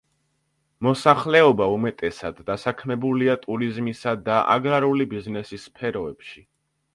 მოსახლეობა უმეტესად დასაქმებულია ტურიზმისა და აგრარული ბიზნესის სფეროებში.